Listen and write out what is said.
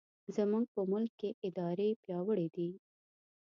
زموږ په ملک کې ادارې پیاوړې دي.